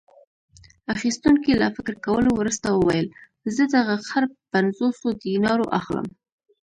اخیستونکي له فکر کولو وروسته وویل: زه دغه خر په پنځوسو دینارو اخلم.